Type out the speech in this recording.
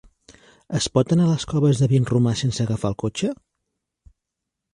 Es pot anar a les Coves de Vinromà sense agafar el cotxe?